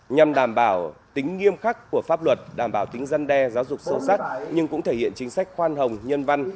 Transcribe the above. nhằm đảm bảo tính nghiêm khắc của pháp luật đảm bảo tính dân đe giáo dục sâu sắc nhưng cũng thể hiện chính sách khoan hồng nhân văn